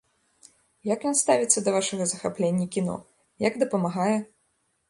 Як ён ставіцца да вашага захаплення кіно, як дапамагае?